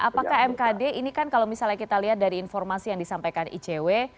apakah mkd ini kan kalau misalnya kita lihat dari informasi yang disampaikan icw